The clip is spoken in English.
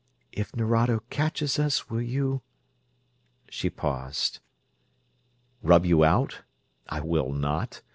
"If Nerado catches us, will you...." She paused. "Rub you out? I will not.